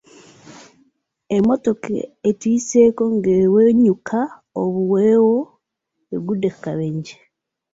Emmotoka etuyiseeko ng'eweenyuuka obuweewo egudde ku kabenje.